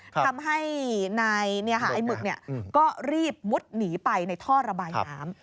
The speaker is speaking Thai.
ทำให้นายหมึกก็รีบมุดหนีไปในท่อระบายน้ำ